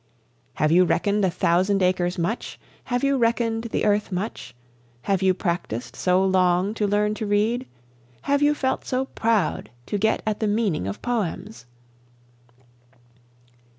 Have you reckoned a thousand acres much? have you reckon'd the earth much? Have you practised so long to learn to read? Have you felt so proud to get at the meaning of poems?